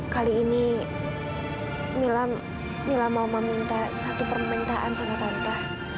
kali ini mila mau meminta satu permintaan sama tante